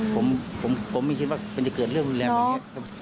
ผมไม่คิดว่ามันจะเกิดเรื่องรุนแรงแบบนี้